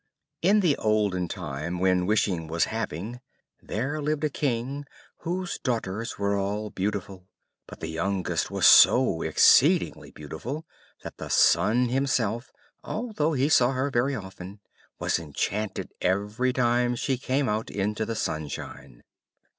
In the olden time, when wishing was having, there lived a King, whose daughters were all beautiful; but the youngest was so exceedingly beautiful that the Sun himself, although he saw her very often, was enchanted every time she came out into the sunshine.